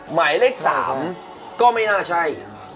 หมายเลข๓ก็ไม่น่าใช่